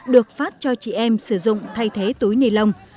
được phát cho chị em sử dụng thay thế túi ni lông